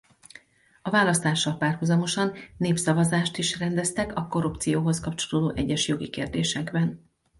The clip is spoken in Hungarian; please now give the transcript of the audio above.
A választással párhuzamosan népszavazást is rendeztek a korrupcióhoz kapcsolódó egyes jogi kérdésekben.